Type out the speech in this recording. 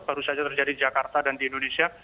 baru saja terjadi di jakarta dan di indonesia